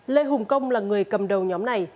lê hùng công là người cầm đầu nhóm này